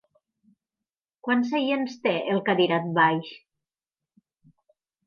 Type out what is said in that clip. Quants seients té el cadirat baix?